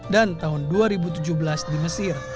dan tahun dua ribu tujuh belas di mesir